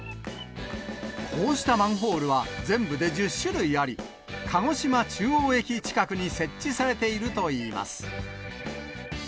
こうしたマンホールは全部で１０種類あり、鹿児島中央駅近くに設置されているといいます。